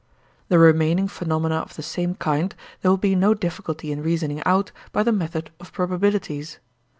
The remaining phenomena of the same kind there will be no difficulty in reasoning out by the method of probabilities.